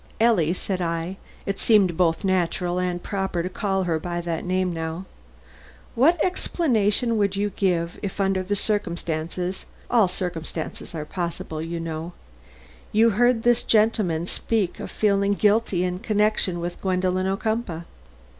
"Ellie," said I (it seemed both natural and proper to call her by that name now), "what explanation would you give if, under any circumstances (all circumstances are possible, you know), you heard this gentleman speak of feeling guilty in connection with Gwendolen Ocumpaugh?"